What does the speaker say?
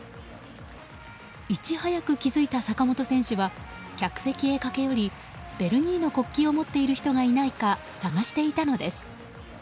いち早く気付いた坂本選手は客席へ駆け寄りベルギーの国旗を持っている人がいないか探していたのです。